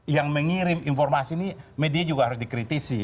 yang mengirim informasi ini media juga harus dikritisi